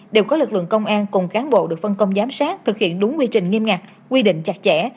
đều có lực lượng công an cùng cán bộ được phân công giám sát thực hiện đúng quy trình nghiêm ngặt quy định chặt chẽ